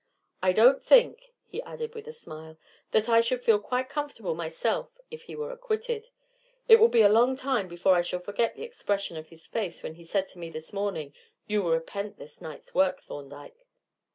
I don't think," he added with a smile, "that I should feel quite comfortable myself if he were acquitted; it will be a long time before I shall forget the expression of his face when he said to me this morning, 'You will repent this night's work, Thorndyke.'"